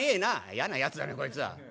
「やなやつだねこいつは。